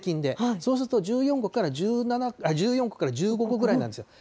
そうすると１４個から１５個ぐらいなんですよ。